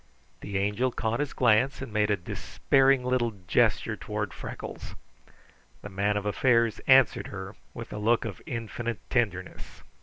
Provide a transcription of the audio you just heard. The Angel caught his glance and made a despairing little gesture toward Freckles. The Man of Affairs answered her with a look of infinite tenderness.